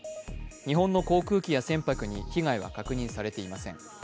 日本の航空機や船舶に被害は確認されていません。